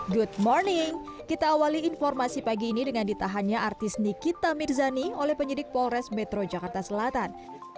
good morning kita awali informasi pagi ini dengan ditahannya artis nikita mirzani oleh penyidik polres metro jakarta selatan